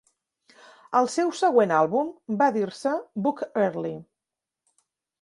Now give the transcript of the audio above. El seu següent àlbum va dir-se "Book Early".